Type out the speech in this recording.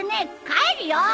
帰るよ。